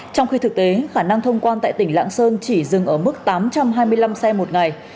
trong khi thực tế khả năng thông quan tại tỉnh lạng sơn chỉ dừng ở mức tám trăm hai mươi năm xe một ngày